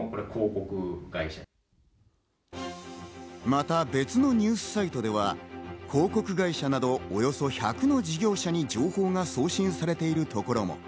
また別のニュースサイトでは広告会社など、およそ１００の事業者に情報が送信されているところも。